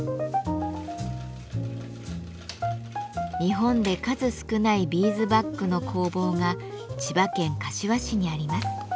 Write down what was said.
日本で数少ないビーズバッグの工房が千葉県柏市にあります。